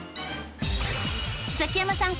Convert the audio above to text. ザキヤマさん